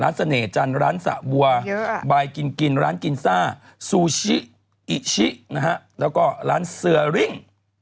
ร้านเสน่ห์จันทร์ร้านสะวัวไบกินกินร้านกินซ่าซูชิอิ่ชิและก็ร้านเสื้อริ้ง